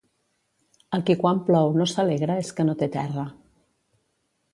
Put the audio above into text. El qui quan plou no s'alegra és que no té terra.